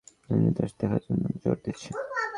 উনি তার সাথে দেখা করার জন্য জোর দিচ্ছে।